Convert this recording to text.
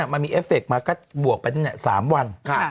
มันมีเอฟเคมาก็บวกไป๓วัน